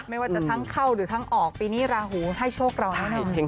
ไม่ว่าจะทั้งเข้าหรือทั้งออกปีนี้ราหูให้โชคเรานั่นเอง